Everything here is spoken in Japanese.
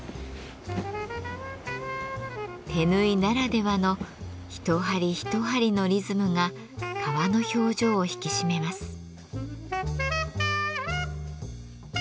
手縫いならではの一針一針のリズムが革の表情を引き締めます。